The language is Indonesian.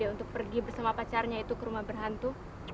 untuk pergi bersama pacarnya itu ke rumah berhantu